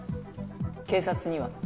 警察には？